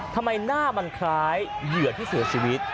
ทำไมหน้ามันคล้ายเหยื่อที่เสียชีวิต